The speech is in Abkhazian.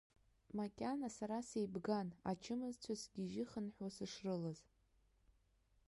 Макьана сара сеибган, ачымазцәа сгьежьыхынҳәуа сышрылаз.